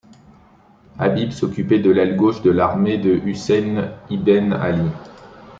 Habib s'occupait de l'aile gauche de l'armée de Husayn ibn Ali.